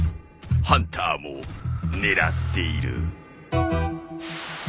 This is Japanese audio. ハンターも狙っている。